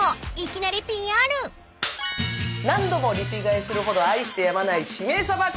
何度もリピ買いするほど愛してやまない。